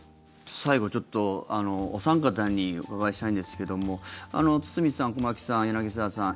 最後ちょっと、お三方にお伺いしたいんですけども堤さん、駒木さん、柳澤さん